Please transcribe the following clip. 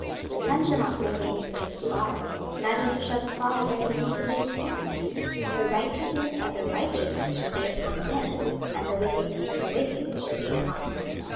The son shall not bear the iniquity of the father, neither shall the father bear the iniquity of the son: the righteousness of the righteous shall be upon him, and the wickedness of the wicked shall be upon him.